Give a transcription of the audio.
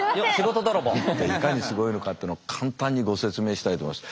いかにすごいのかっていうのを簡単にご説明したいと思います。